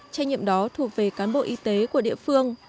trách nhiệm đó thuộc về cán bộ y tế của địa phương